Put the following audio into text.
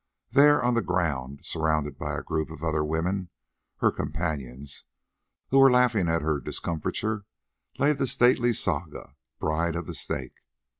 There on the ground, surrounded by a group of other women, her companions, who were laughing at her discomfiture, lay the stately Saga, bride of the Snake.